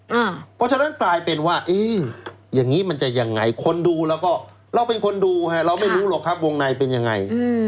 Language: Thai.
เพราะฉะนั้นกลายเป็นว่าอย่างนี้มันจะยังไงคนดูแล้วก็เราเป็นคนดูเราไม่รู้หรอกครับวงในเป็นยังไง